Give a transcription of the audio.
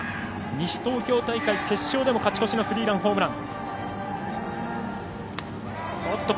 西東京大会、決勝でも勝ち越しのスリーランホームラン。